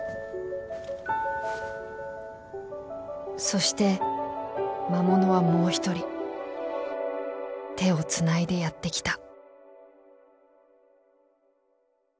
そして魔物はもう１人手をつないでやって来た。